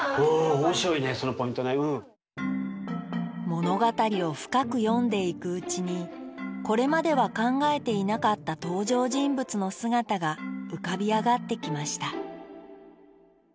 物語を深く読んでいくうちにこれまでは考えていなかった登場人物の姿が浮かび上がってきました